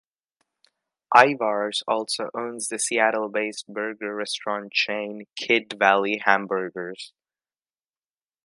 Ivar's also owns the Seattle-based burger restaurant chain Kidd Valley Hamburgers.